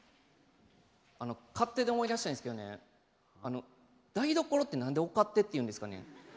あの「勝手」で思い出したんですけどね台所って何でお勝手っていうんですかね。